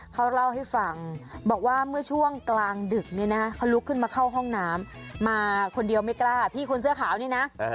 เขาเล่าให้ฟังบอกว่าเมื่อช่วงกลางดึกเนี่ยนะเขาลุกขึ้นมาเข้าห้องน้ำมาคนเดียวไม่กล้าพี่คนเสื้อขาวนี่นะ